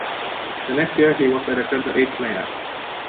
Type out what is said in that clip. The next year he was elected the eighth mayor.